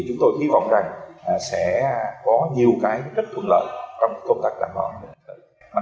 chúng tôi hy vọng rằng sẽ có nhiều trách thuận lợi trong công tác đảm bảo